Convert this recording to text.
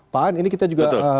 pak an ini kita juga